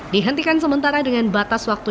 dihentikan sementara dengan batas waktu